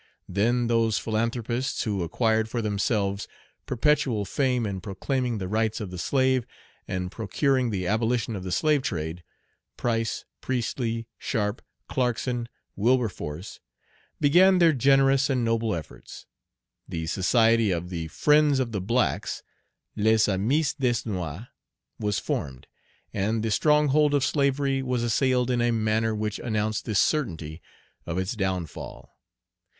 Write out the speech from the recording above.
Then those philanthropists who acquired for themselves perpetual fame in proclaiming the rights of the slave, and procuring the abolition of the slave trade, Price, Priestly, Sharp, Clarkson, Wilberforce, began their generous and noble efforts. The society of "The Friends of the Blacks" (Les Amis des Noirs), was formed, and the stronghold of slavery was assailed in a manner which announced the certainty of its downfall.